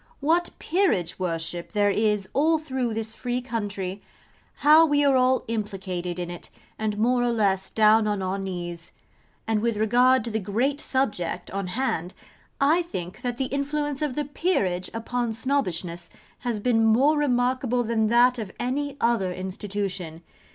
What Peerageworship there is all through this free country! How we are all implicated in it, and more or less down on our knees. And with regard to the great subject on hand, I think that the influence of the Peerage upon Snobbishness has been more remarkable than that of any other institution.